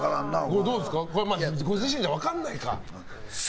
これはご自身じゃ分からないか。